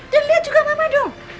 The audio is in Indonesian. dan liat juga mama dong